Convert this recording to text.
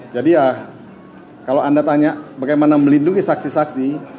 jadi ya kalau anda tanya bagaimana melindungi saksi saksi